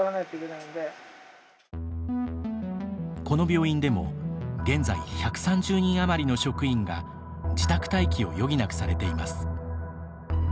この病院でも現在１３０人余りの職員が自宅待機を余儀なくされています。